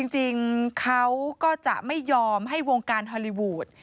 จริงเขาก็จะไม่ยอมให้วงการฮอลลีวูด